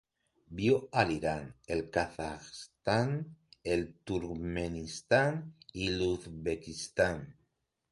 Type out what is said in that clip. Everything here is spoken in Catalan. Viu a l'Iran, el Kazakhstan, el Turkmenistan i l'Uzbekistan.